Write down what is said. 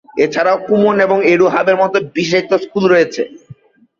এছাড়াও কুমন এবং এডুহাবের মতো বিশেষায়িত স্কুল রয়েছে।